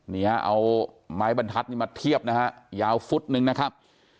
เนี่ยเอาไม้บรรทัดมาเทียบนะครับยาวฟุตนึงนะครับ